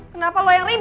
kenapa lo yang ribet